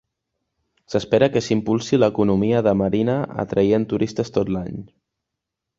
S'espera que impulsi l'economia de Marina atraient turistes tot l'any.